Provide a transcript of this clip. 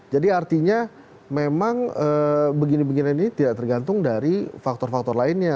jadi artinya memang begini begini ini tidak tergantung dari faktor faktor lainnya